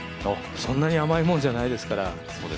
そんなに甘いもんじゃないですから。